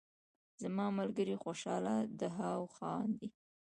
زما ملګری خوشحاله دهاو خاندي